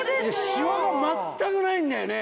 シワが全くないんだよね。